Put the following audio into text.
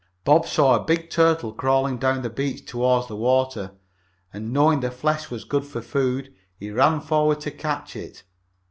Bob saw a big turtle crawling down the beach toward the water, and, knowing the flesh was good for food, he ran forward to catch it.